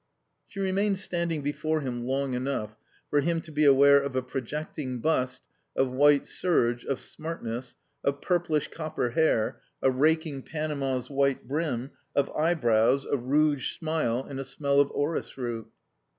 She remained standing before him long enough for him to be aware of a projecting bust, of white serge, of smartness, of purplish copper hair, a raking panama's white brim, of eyebrows, a rouged smile, and a smell of orris root.